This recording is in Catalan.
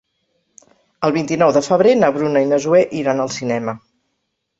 El vint-i-nou de febrer na Bruna i na Zoè iran al cinema.